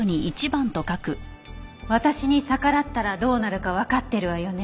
「私に逆らったらどうなるかわかってるわよね」